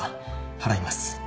払います。